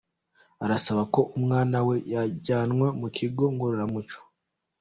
Arasaba ko umwana we yajyanwa mu kigo ngororamuco